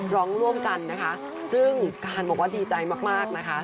ร้องร่วมกันนะคะซึ่งการบอกว่าดีใจมากมากนะคะ